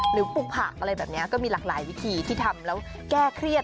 ปลูกผักอะไรแบบนี้ก็มีหลากหลายวิธีที่ทำแล้วแก้เครียด